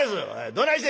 「どないした？」。